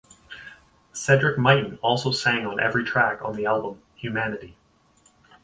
Cedric Myton also sang on every track on the album "Humanity".